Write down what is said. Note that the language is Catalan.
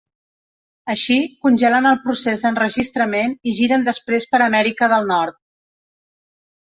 Així, congelen el procés d'enregistrament i giren després per Amèrica del Nord.